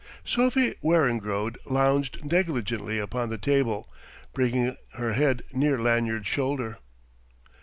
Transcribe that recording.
Sophie Weringrode lounged negligently upon the table, bringing her head near Lanyard's shoulder.